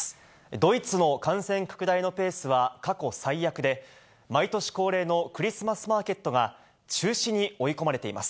ドイツの感染拡大のペースは過去最悪で、毎年恒例のクリスマスマーケットが、中止に追い込まれています。